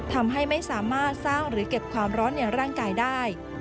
ทำให้ไม่สามารถสร้างหรือเก็บความร้อนในร่างกายได้